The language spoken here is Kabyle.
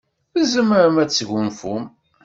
Tzemrem ad tesgunfum.